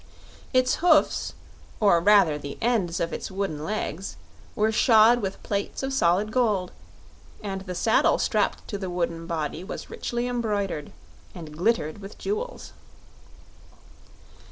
Its hoofs, or rather the ends of its wooden legs, were shod with plates of solid gold, and the saddle strapped to the wooden body was richly embroidered and glistened with jewels.